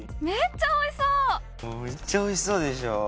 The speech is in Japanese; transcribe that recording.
めっちゃおいしそうでしょ。